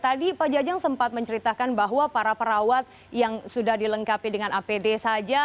tadi pak jajang sempat menceritakan bahwa para perawat yang sudah dilengkapi dengan apd saja